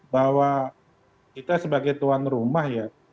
bahwa kita sebagai tuan rumah ya